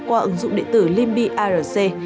qua ứng dụng địa tử limbyrc